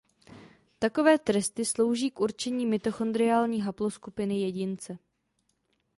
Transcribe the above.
Takové testy slouží k určení mitochondriální haploskupiny jedince.